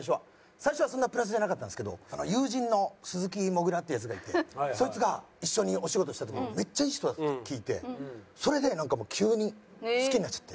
最初はそんなプラスじゃなかったんですけど友人の鈴木もぐらっていうヤツがいてそいつが一緒にお仕事した時にめっちゃいい人だって聞いてそれでなんか急に好きになっちゃって。